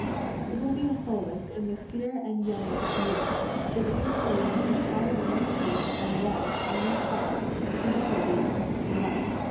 It will be a solace in the sere and yellow years, for the inquiry into how mysteries are evolved and re solved can never lose its delight.